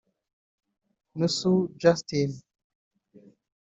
Nusu Justin